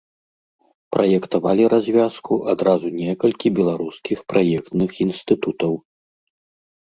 Праектавалі развязку адразу некалькі беларускіх праектных інстытутаў.